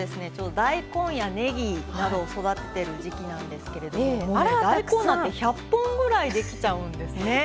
大根やねぎなどを育ててる時期なんですけれど大根なんて１００本ぐらいできちゃうんですね。